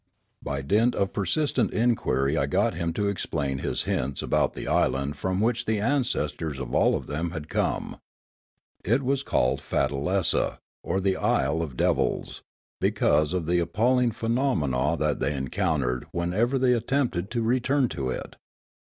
By dint of persistent inquiry I got him to explain his hints about the island from which the ancestors of all of them had come. It was called Faddalesa, or the isle of devils, because of the appalling phenomena they encountered w^henever they attempted to return to it.